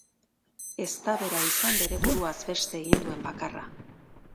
Ez da bera izan bere buruaz beste egin duen bakarra.